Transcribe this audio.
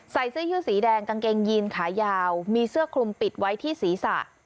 เสื้อยืดสีแดงกางเกงยีนขายาวมีเสื้อคลุมปิดไว้ที่ศีรษะ